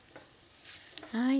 はい。